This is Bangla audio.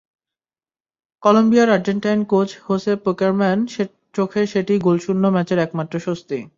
কলম্বিয়ার আর্জেন্টাইন কোচ হোসে পেকারম্যানের চোখে সেটিই গোলশূন্য ম্যাচের একমাত্র স্বস্তি।